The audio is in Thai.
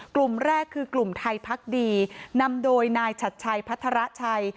กลุ่มแรกคือกลุ่มไทยพักดีนำโดยนายชัดชัยพัฒระชัย